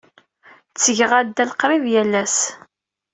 Ttgeɣ addal qrib yal ass.